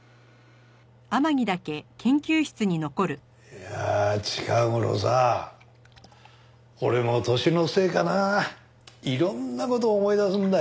いやあ近頃さ俺も年のせいかないろんな事を思い出すんだよ。